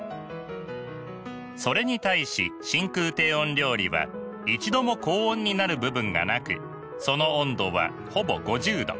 それに対し真空低温料理は一度も高温になる部分がなくその温度はほぼ５０℃。